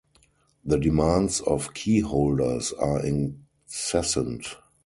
The demands of keyholders are incessant.